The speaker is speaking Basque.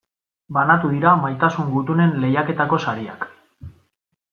Banatu dira Maitasun Gutunen lehiaketako sariak.